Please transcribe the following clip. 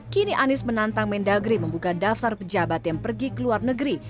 kini anies menantang mendagri membuka daftar pejabat yang pergi ke luar negeri